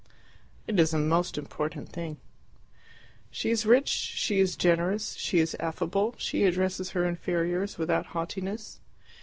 "It is a most important thing." "She is rich, she is generous, she is affable, she addresses her inferiors without haughtiness."